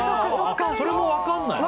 それも分かんないの？